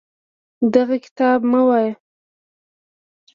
دغه کتاب مه وایه.